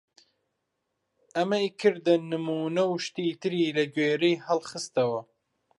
ئەمەی کردە نموونە و شتی تری لە گوێرەی هەڵخستەوە!